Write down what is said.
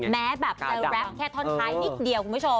แม้แฮลแรปแค่ท้อนท้ายนิดเดียว